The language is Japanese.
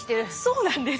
そうなんです。